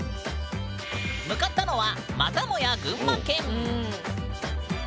向かったのはまたもや群馬県。